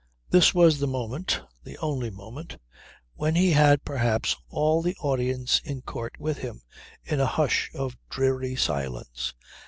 This was the moment, the only moment, when he had perhaps all the audience in Court with him, in a hush of dreary silence.